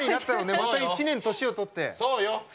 また１年、年をとって。